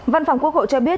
văn phòng quốc hội cho biết